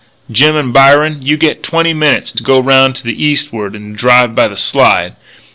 Jim and Byron, you get twenty minutes to go 'round to the eastward and drive by the Slide.